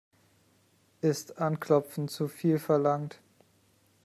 Ist Anklopfen zu viel verlangt?